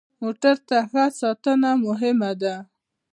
موټر ته ښه ساتنه مهمه ده.